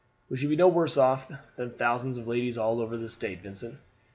"We should be no worse off than thousands of ladies all over the State, Vincent.